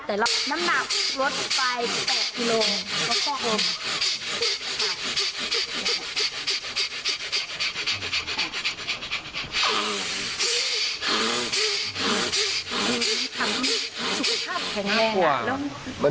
แต่เราน้ำหนักรถไปแปดกิโลกรัม